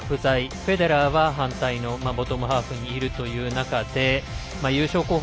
フェデラーは反対のボトムハーフにいるという中で優勝候補